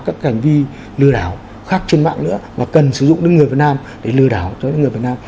các cảnh vi lừa đảo khác trên mạng nữa mà cần sử dụng đến người việt nam để lừa đảo cho đến người việt nam